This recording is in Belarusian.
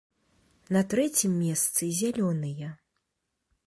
На трэцім месцы зялёныя.